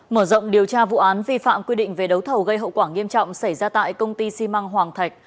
mở rộng điều tra vụ án vi phạm quy định về đấu thầu gây hậu quả nghiêm trọng xảy ra tại công ty xi măng hoàng thạch